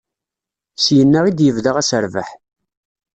Syinna i d-yebda aserbeḥ.